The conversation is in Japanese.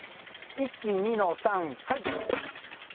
１２の３はい！